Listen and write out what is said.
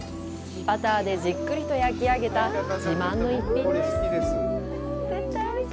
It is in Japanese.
バターでじっくりと焼き上げた自慢の一品です。